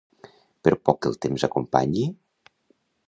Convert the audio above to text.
Per poc que el temps acompanyi...